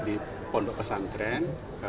jadi saya di pondok pesantren